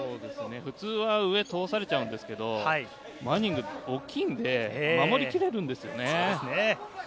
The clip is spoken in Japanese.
普通は上、通されちゃうんですけどマニング大きいので守り切れるんですよね。